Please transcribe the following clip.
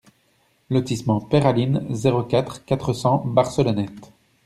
Lotissement Peyralines, zéro quatre, quatre cents Barcelonnette